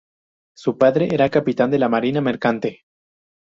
Su padre era capitán de la marina mercante.